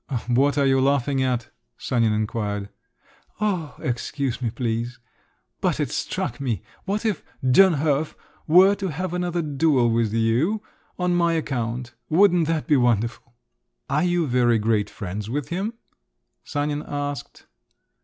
"What are you laughing at?" Sanin inquired. "Oh, excuse me, please … but it struck me: what if Dönhof were to have another duel with you … on my account…. wouldn't that be wonderful?" "Are you very great friends with him?" Sanin asked.